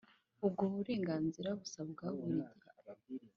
Ubwo burenganzira busabwa buri gihe